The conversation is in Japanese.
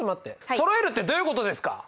そろえるってどういうことですか？